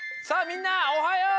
みんなおはよう！